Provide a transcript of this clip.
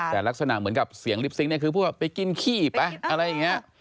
แต่ลักษณะเหมือนกับเสียงลิปซิงค์เนี่ยคือพูดว่าไปกินขี้ไปอะไรอย่างนี้